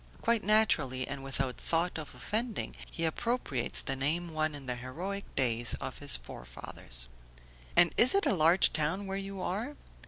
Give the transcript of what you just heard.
Quite naturally, and without thought of offending, he appropriates the name won in the heroic days of his forefathers. "And is it a large town where you are?"